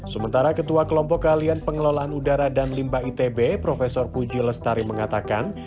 sementara ketua kelompok keahlian pengelolaan udara dan limba itb prof puji lestari mengatakan